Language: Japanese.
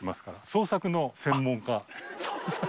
捜索の専門家。